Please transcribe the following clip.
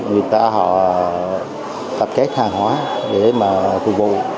người ta họ tập kết hàng hóa để mà phục vụ